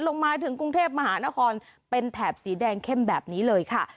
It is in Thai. ลงมาถึงกรุงเทพมหานครเป็นแถบสีแดงเข้มแบบนี้เลยค่ะ